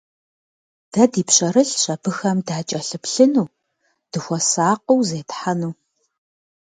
Дэ ди пщэрылъщ абыхэм дакӀэлъыплъыну, дыхуэсакъыу зетхьэну.